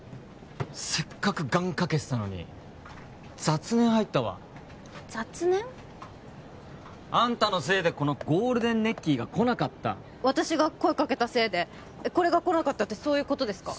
せっかく願かけてたのに雑念入ったわ雑念？あんたのせいでこのゴールデンネッキーがこなかった私が声かけたせいでこれがこなかったってそういうことですか？